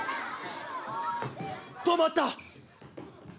止まった！